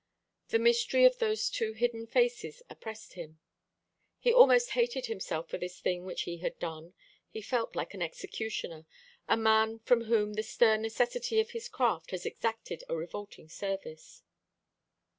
The mystery of those two hidden faces oppressed him. He almost hated himself for this thing which he had done. He felt like an executioner a man from whom the stern necessity of his craft had exacted a revolting service.